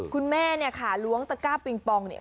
คุณแม่เนี่ยค่ะล้วงตะก้าปิงปองเนี่ย